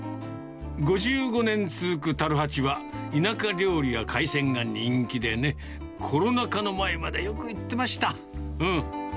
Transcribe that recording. ５５年続く樽八は、田舎料理や海鮮が人気でね、コロナ禍の前まで、よく行ってました。